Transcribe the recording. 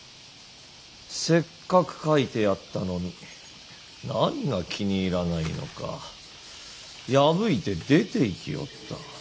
せっかく描いてやったのに何が気に入らないのか破いて出ていきおった。